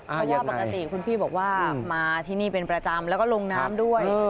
เพราะว่าปกติคุณพี่บอกว่ามาที่นี่เป็นประจำแล้วก็ลงน้ำด้วย